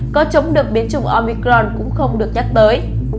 có chống được biến chủng omicron cũng không được nhắc tới